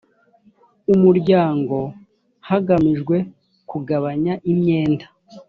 umuryango hagamijwe kugabanya imyenda